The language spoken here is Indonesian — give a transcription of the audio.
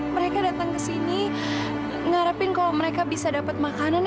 hai kenapa kamu nangis kalau kamu nangis kamu lemah sayang